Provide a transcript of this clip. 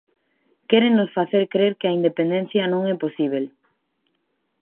Quérennos facer crer que a independencia non é posíbel.